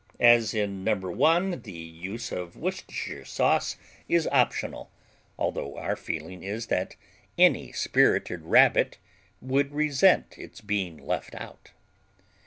As in No. 1, the use of Worcestershire sauce is optional, although our feeling is that any spirited Rabbit would resent its being left out.